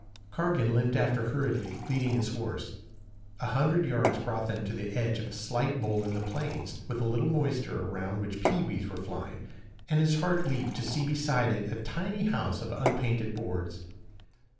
Cargan limped after hurriedly, leading his horse. A hundred yards brought them to the edge of a slight bowl in the plains, with a little moisture around which pewees were flying, and his heart leaped to see beside it a tiny house of unpainted boards.